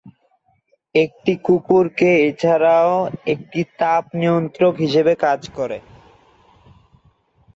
একটি কুকুরের জিহ্বা এছাড়াও একটি তাপ নিয়ন্ত্রক হিসেবে কাজ করে।